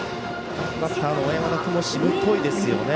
バッターの小山田君もしぶといですよね。